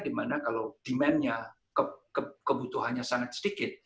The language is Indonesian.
dimana kalau demand nya kebutuhannya sangat sedikit